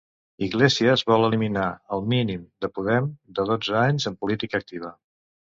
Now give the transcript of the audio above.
Iglesias vol eliminar el mínim de Podem de dotze anys en política activa.